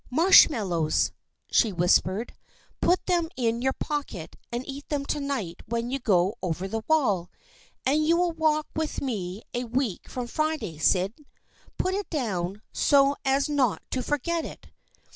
" Marshmallows," she whispered. " Put them in your pocket and eat them to night when you go over the wall ! And will you walk with me a week from Friday, Syd ? Put it down, so as not to forget it."